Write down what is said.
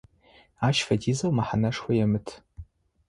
Ащ фэдизэу мэхьанэшхо емыт.